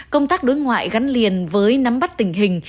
công tác đối ngoại gắn liền với nắm bắt tình hình